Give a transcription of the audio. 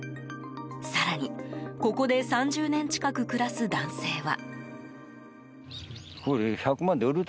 更に、ここで３０年近く暮らす男性は。